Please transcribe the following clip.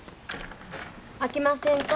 あきませんか？